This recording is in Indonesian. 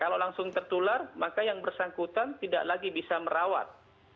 kalau langsung tertular maka yang bersangkutan tidak lagi bisa merawat